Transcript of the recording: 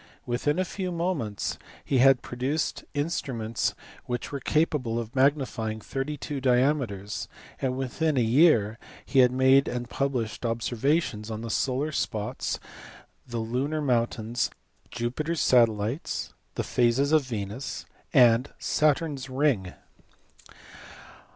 Within a few months he had produced instruments which were capable of magnifying thirty two diameters, and within a year he had made and pub lished observations on the solar spots, the lunar mountains, Jupiter s satellites, the phases of Venus, and Saturn s ring.